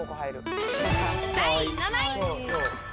第７位。